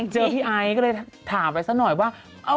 พี่ไอซ์ก็เลยถามไปซะหน่อยว่า